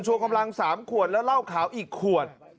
กำลัง๓ขวดแล้วเหล้าขาวอีกขวด